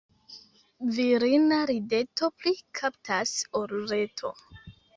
Virina rideto pli kaptas ol reto.